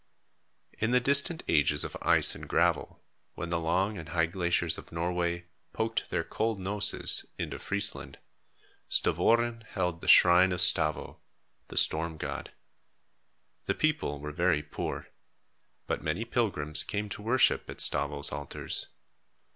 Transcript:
In the distant ages of ice and gravel, when the long and high glaciers of Norway poked their cold noses into Friesland, Stavoren held the shrine of Stavo, the storm god. The people were very poor, but many pilgrims came to worship at Stavo's altars.